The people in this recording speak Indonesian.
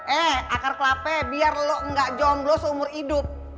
eh akar kelapa biar lo gak jomblo seumur hidup